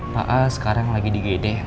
pak a sekarang lagi di gede